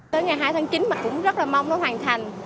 tới ngày hai tháng chín mà cũng rất là mong nó hoàn thành